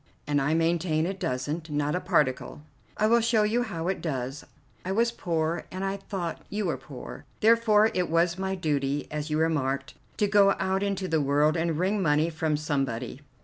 "And I maintain it doesn't, not a particle." "I will show you how it does. I was poor, and I thought you were poor. Therefore it was my duty, as you remarked, to go out into the world and wring money from somebody.